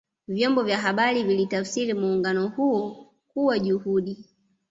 vyombo vya habari vilitafsiri muungano huo kuwa juhudi